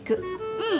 うん。